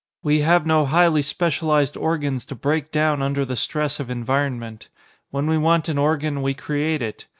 We have no highly specialized organs to break down under the stress of environment. When we want an organ, we create it.